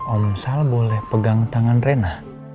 om sal boleh pegang tangan rena